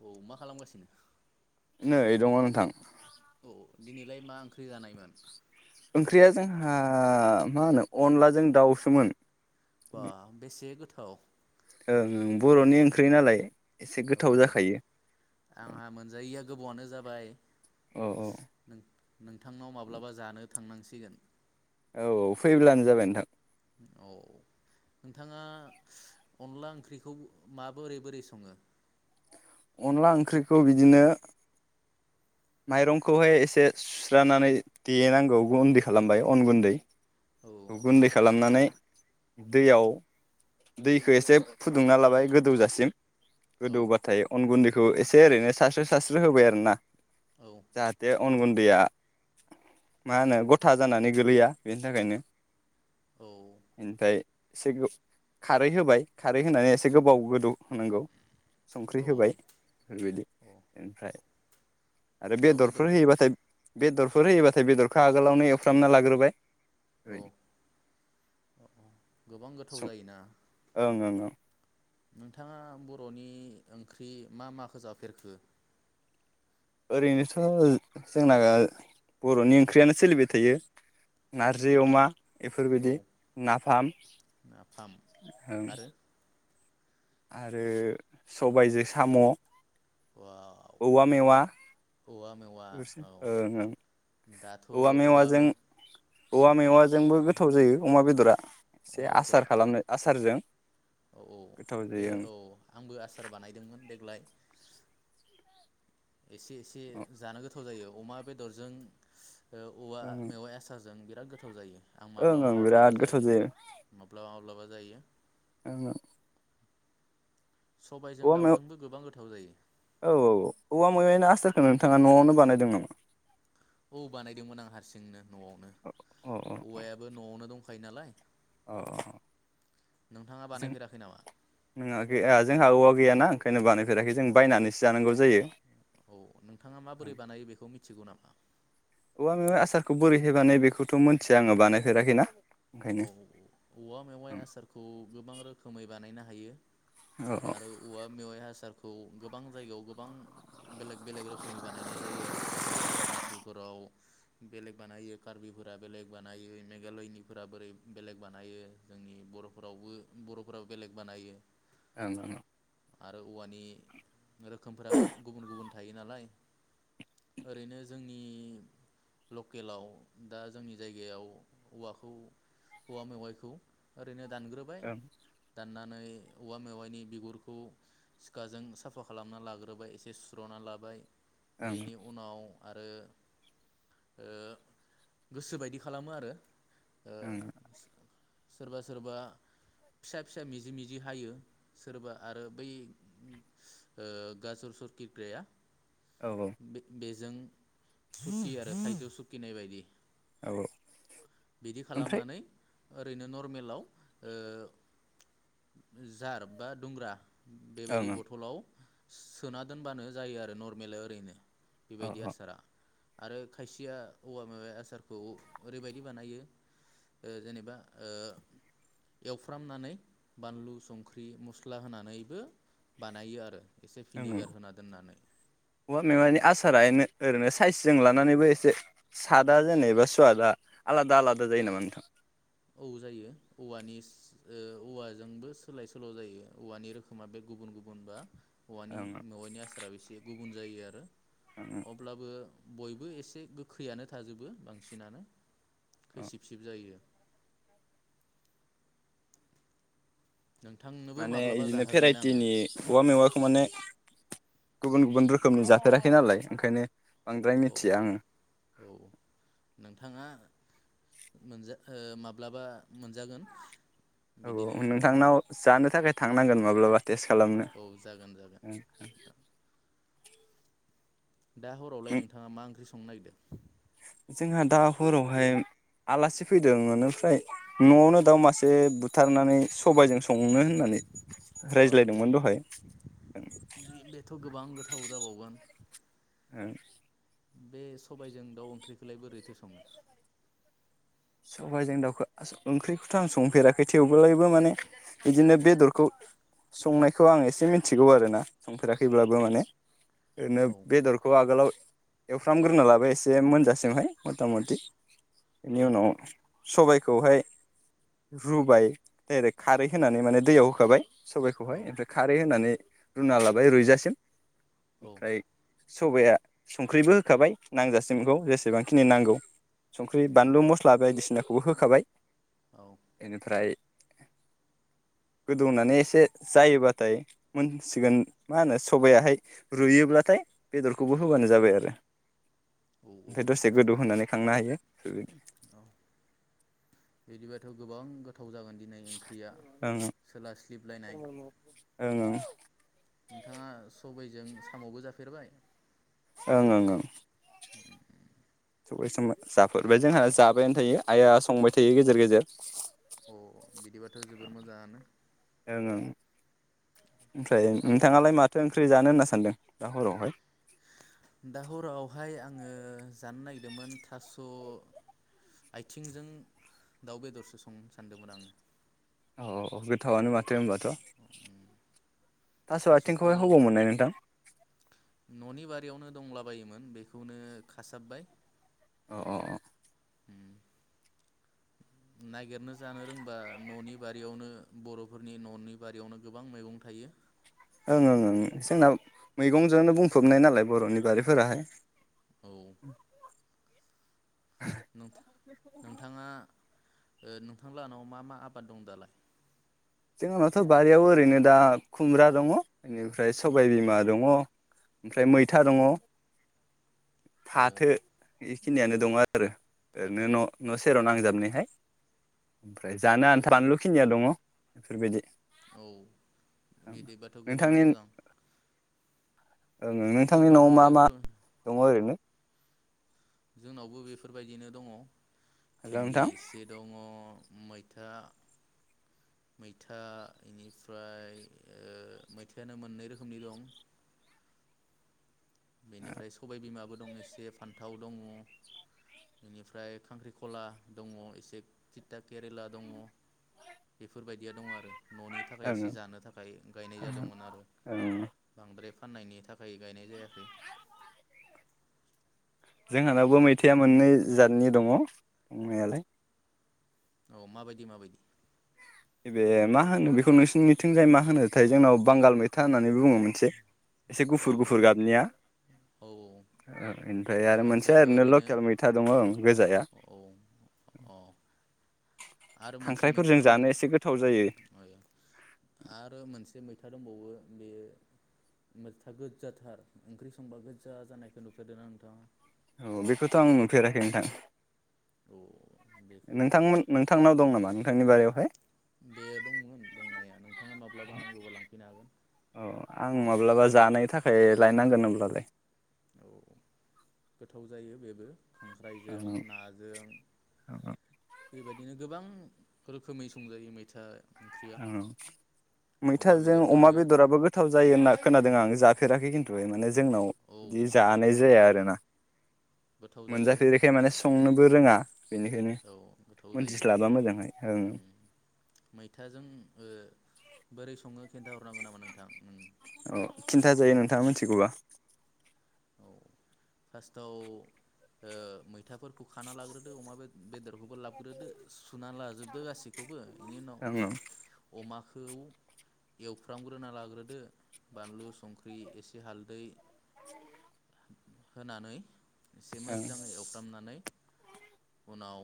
औ मा खालामगासिनो? नै दङ नोंथां। औ दिनैलाय मा ओंख्रि जानायमोन। ओंख्रिया जोंहा मा होनो अनलाजों दाउसोमोन। बा बेसे गोथाव थ। ओं बरनि ओंख्रि नालाय। एसे औ गोथाव जाखायो औ। गोबावआनो जाबाय। नोंथांनाव माब्लाबा जानो। थांनांसिगोन औ फैब्लानो जाबाय नोंथां। औ नोंथाङा अनला ओंख्रिखौ माबो बओोरै बोरै सङो। अनला ओंख्रिखौ बिदिनो माइरंखौहाय एसे सुस्रानानै देनांगौ गुन्दै खालामबाय अन गुन्दै। औ सगुन्दै खालामनानै। दैयाव दैखौ एसे फुदुंना लाबाय गोदौजासिम। औ गोदौबाथाय अन गुन्दैखौ। खौ एसे ओरैनो सास्रो सास्रो होबाय आरो ना। औ जाहाथे। अन गुन्दैया मा होनो गथा जानानै गोलैया बेनि थाखायनो। औ ओमफ्राय। एसे गो खारै होबाय खारै होनानै एसे गोबाव गोदौ होनांगौ। संख्रि औ होबाय बिदि औ ओमफ्राय। आरो दाउ बेदरफोर बेदरखौ होयोबाथाय। बेदरफोर होयोबाथाय बेदरखो आगोलावनो एवफ्रामना लाग्रोबाय। औ औ गोबां गोथाव सं जायोना। ओं ओं ओं नोंथाङा बर'नि ओंख्रि मा-माखो जाफेरखो? ओरैनोथ' जोंना बर'नि ओंख्रियानो सोलिबाय थायो नारजै अमा औ इफोरबायदि नाफाम नाफाम ओं। आरो आरो सबायजो साम' औवा औवा मेवा औवा मेवा बेफोरसो ओं ओं औ दाथ' औवा मे औवा मेवा जोंबो गोथाव जायो अमा बे दुरा अमा बेदरा औ-औ-औ गोथाव बे जायो ओं औ आंबो आसार बानायदोंमोन देग्लाय एसे-एसे ओं जानो गोथा थाव जायो अमा बेदरजों ओ औवा मेवाइ आसारजों बिराद गोथाव जायो। आं ओं ओं बिराद माब्लाबा-माब्लाबा गोथाव जायो माब्लाबा-माब्लाबा जायो। ओं-ओं सबायजों औवा मेव दाउजोंबो गोबां गोथाव जायो औ-औ-औ औवा मेवाइनि आसार नोंथाङा न'आवनो बानायदों नामा? औ बानायदोंमोन आं हारसिं। न'आवनो अ औवायाबो न'आवनो दं खायो नालाय अ-अ-अ नोंथाङा जों बानायफेराखै नामा नोङा गैया जोंहा औवा गैयाना ओंखायनो बानायफेराखै जों बायनानैसो जानांगौ जायो औ नोंथाङा माबोरै बानायो बेखौ मि थिगौनामा? औ आङो आसारखौ बोरैहाय बानायो बेखौथ' मिथिया आङो बानायफेराखैना। ओंखायनो औ-औ-औ औवा मेवाइ आसारखौ गोबां रोखोमै बानायनो हा हायो। ओं औ औ आरो औवा मेवाय आसार खौ गोबां जायगायाव गोबां बेलेग-बेलेग रोखोमनि बानायनाय जायो आरो जेरै अरुणचलफोराव बेलेग बानायो कार्बिफोरा बेलेग बानायो मेघालयनि फोरा बोरै बेलेग बानायो जोंनि बर'फोरावबो बर'फोराबो बेलेग बानायो। ओं [unintelligible] आरो औवानि रोखोमफोराबो गुबुन-गुबुन। थायो नालाय ओरैनो जोंनि लकेलाव दा जोंनि जायगायाव औवाखौ खौ औवा मेवाइखौ ओरैनो दानग्रोबाय ननानै औवा मेवाइनि बिगुरखौ सिखाजों साफा खालामना लाग्रोबाय एसे सुस्र'ना लाबाय ओं बेनि उनाव आरो ओ गोसो बायदि खालामो आरो ओ ओं सोरबा सोरबा फिसा फिसा मिजि मिजि हायो सोरबा आरो बै ओ गाजर अ सरपिग्राया औ बे बे जों सुति आरो थायजौ सुखिनाय बायदि औ बिदि ओमफ्राय खालामनानै ओरैनो नर्मेलाव ओ जार बा दुंग्रा बेबायदि ओं ओं बथलाव सोना दोनबानो जायो आरो नरमेलै ओरैनो अ बेबायदि आसारा आरो खायसेया औवा मेवाय आसारखौ ओरैबायदि दि बानायो ओ जेनेबा ओ एवफ्रामनानै बानलु संख्रि मस्ला होनानैबो बानायो आरो एसे औ भिनेगार होना दोननानै औवा मेवानि आसार ओरैनो ओरैनो साइसजों लानानैबो एसे सादा जेनेबा सुवादा आलादा आलादा जायो नामा नोंथां औ जायो औवानि औवाजोंबो ओ सोलाय सोल' जायो औवानि रोखोमा बे गुबुन गुबुन बा औवानि ओं मेवाइनि आसाराबो इसे गुब बुन जायो आरो ओं अब्लाबो बयबो एसे गोखैयानो थाजोबो बांसिनानो औ खैसिब सिब जायो नोंथांनोबो माने माब्लाबा इदिनो जाहोगोन आङो भेराइटिनि औवा मेवाखौ माने गुबुन गुबुन रोखोमनि जाफेराखै नालाय ओंखायनो बांद्राय औ औ मिथिया आङो औ नोंथाङा मोनजा माब्लाबा मोनजागोन औ बिदिनो औ नोंथांनाव जानो थाखाय थांनांगोन माब्लाबा टेस्ट खालामनो औ जागोन जागोन दा हरावलाय नोंथाङा मा ओंख्रिं संगोन नागिरदों। जोंहा दा हरावहाय आलासि फैदों एनिफ्राय न'आवनो दाउ मासे बुथारनानै सबायजों संनो होननानै अ रायज्लायदोंमोन दहाय बे बेथ' गोबां गोथाव जाबावगोन। ओं। बे सबायजों दाउ ओंख्रिखौलाय बोरैथो सङो सबायाइजों दाउखौ ओंख्रिखौथ' आं संफेराखै थेवब्लाबो माने बिदिनो बेदरखौ संनायखौ आं एसे मिथिगौ आरोना संफेराखैब्लाबो माने ओरैनो औ बेदरखौ आगोलाव एवफ्रामग्रोना लाबाय एसे मोनजासिमहाय मथा मथि औ नि उनाव सबायखौहाय रुबाय डाइरेक्ट खारै होनानै माने दैयाव होखाबाय औ सबायखौहाय ओमफ्राय खारै होनानै रुना लाबाय रुयजासिम ओमफ्राय सबाया संख्रिबो होखाबाय नांजासिमखौ जेसेबांखिनि नांगौ। संख्रि बानलु मस बायदिसिनाखौबो होखाबाय औ बेनिफ्राय गोदौनानै एसे जायोबाथाय मोनसिगोन मा होनो सबायाहाय रुयोब्लाथाय बेदरखौबो होबानो जाबाय आरो। ओमफ्राय दसे औ गोदौ होनानै खांनो हायो। [unintelligible] बिदिबाथ' गोबांगो औं सोलास्लिबलायनाय ओंं ओं ओं। नोंथाङा सबायजों सामावबो जाफेरबाय ओं ओं ओं। सबाय सबाय जाफेबाय जोंहा जाबायानो थायो आइआ संबाय थायो गेजेर गेजेर अ बिदिबाथ' जोबोर मोजाङानो। ओं ओं ओमफ्राय साम' नोंथाङालाय माथो ओंख्रि जानो होनना सानदों दा हरावहाय दा हरावहाय आङो जानो नागिरदोंमोन थास' आथिंजों दाउ बेदरसो संनो सानदोंमोन आङो अ गोथावनो मा माथो होनबाथ' थास' थास'खौ आथिंखौहाय हबाव मोननाय नोंथां। न'नि बारियावनो दंला बायोमोन बेखौनो खासाबबाय अ अ। उम। नागिरनो जानो रोंबा न'नि बारियावनो बर'फोरनि न'नि बारियावनो गोबां मैगं थायो। ओं ओं ओं जोंना मैगंजोंनो बुंफबनाय नालाय बर'नि बारिफोराहाय। औ उम [unintelligible] नोंथाङा नोंथां लानाव मा मा आबाद दं दालाय जोंनावथ' बारियाव ओरैनो दा खुमब्रा दङ बेनिफ्राय सबायबिमा दङ ओमफ्राय मैथा दङ औ फाथो बेखिनियानो दं आरो आरो फाथो ओरैनो न' सेराव नांजाबनायखाय ओमफ्राय जानो औ आन्था बानलुखिनिया दङ बेफोरबायदि औ बिदिबाथ' गोबां नोंथांनि मोजां ओ नोंथांनि न'आव जोंनावबो मा मा बेफोर दङ ओरैनो जोंनावबो बेफोरबायदिनो दङ हेल' भिन्दि नोंथां एसे दङ मैथा मैथा बेनिफ्राय ओ मैथायानो मोननै रोखोमनि दं बेनिफ्राय सबाय बिमाबो दं एसे फान्थाव दङ बेनिफ्राय खांख्रिखला दङ एसे थिता केरेला दङ बेफोरबायदिया दङ आरो न'नि थाखाय एसे ओं जानो थाखाय गायनाय जादोंमोन आरो ओं बांद्राय फाननायनि थाखाय गायनाय जायाखै [unintelligible] जोंहानावबो मैथायाइआ मोननै जादनि दङ दंनायालाय औ माबायदि माबायदि ओइबे मा होनो बेखौ नोंसिनि मिथिंजाय मा होनोथाय जोंनाव बांगाल मैथा होननानै [unintelligible] मोन एसे औ गुफुर गुफुर औ गाबनियानिफ्राय बेनिफ्राय आरो मोनसे मोनसेयाथ' ओरैनो लकेल मैथा दङं गोजाया औ अ आरो मोनसे मैथा खांख्राइफोरजों गोज जानो एसे गोथाव जायो आरो मोनसे मैथा दंबावो बे मैथा गोजाथार ओंख्रि संबा गोजा जानायखौ नुफेरदों ना नोंथाङा औ बेखौथ' आं नुफेराखै नोंथां औ बेखौ नोंथांमोन नोंथांनाव दं नामा बिथांनि बारियावहाय बेयो दंमोन दंनाया नोंथाङा माब्लाबा नांगौबा लांफैनो हागोन औ आं माब्लाबा जानायनि थाखाय लायनांगोन होनब्लालाय औ गोथाव जायो बे [inaudible] खांख्राइजों नाजों बेबायदिनो गोबां रोखोमै संजायो मैथा ओंख्रिया ओ अमा मैथाजों अमा बेदरजोंबो बेदराबो गोथाव जायो ना खोनादों आं जाफेराखै खिनथु जोंनाव औ बिदि जानाय जाया आरो ना गोथाव जायो मोनजाफेरिखाय माने संनो बो रोङा बेनिखायनो औ गोथाव जायो मिथिस्लाबा मोजांहाय ओं ओ जों ओ बोरै सङो खोनथा ह हरनांगौ नामा नोंथां औ खिन्थाजायो नोंथाङा मिथिगौबा औ फार्स्टआव मैथाफोरखौ ओ खाना लाग्रोदो अमा बे बेदर बफोरखौबो लाबोग्रोदो सुना लाजोबदो गाससिखौबो बेनि उनाव ओं मै ओं अमा खौ एवफ्रामग्रोना लाग्रोदो बानलु संख्रि एसे हालदै होनानै एसे ओं मोजाङै एवफ्रामनानै उनाव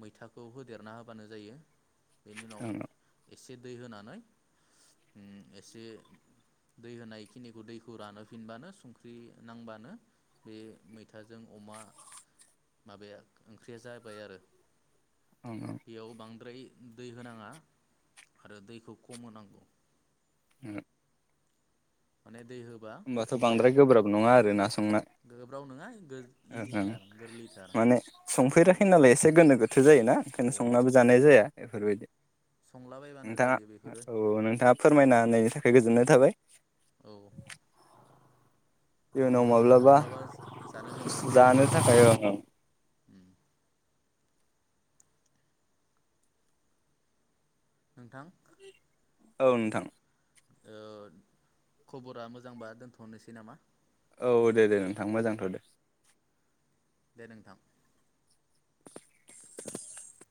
मैथाखौ होदेरना होबानो जायो बेनि उनाव ओं एसे दै होनानै ओम एसे दै होनायखिनिखौ दैखौ रानो फिनबानो संख ख्रि नांबानो बे मैथाजों अमा माबाया ओंख्रिया जाबाय आरो ओं बेयाव बांद्राय दै होनाङा आरो दैखौ खम होनांगौ [unintelligible] माने दै होबा होमबाथ' गोथाव जाया बांद्राय गोब्राब नङा आरो ना संना गोब्राव नङा ओं ओं इजिथार गोरलैथार माने सं संफेराखै नालाय एसे गोनो गोथो जायोना औ संनानैबो जानाय जाया बेफोरबायदि संलाबायबानो नोंथाङा जायो बेफोरो औ नोंथाङा फोरमायनानै थाखाय गोजोननाय थाबाय औ नोंथांखौ माब्लाबा जानो लेंंहरगोन आं जानो थाखाय नोंथां औ नोंथां औ नोंथां ओ खबरा मोजांबा दोनथ'नोसै नामा औ दे दे नोंथां मोजांथ' दे दे नोंथां [unintelligible]